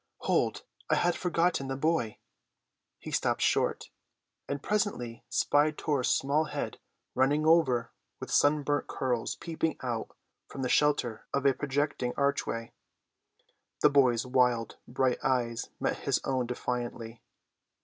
Hold, I had forgotten the boy!" He stopped short and presently spied Tor's small head running over with sunburnt curls peeping out from the shelter of a projecting archway. The boy's wild, bright eyes met his own defiantly.